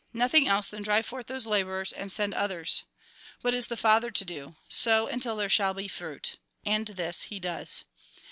ISTothing else than drive forth those labourers, and send others. " "What is the Father to do ? Sow until there shall be fruit. And this He does.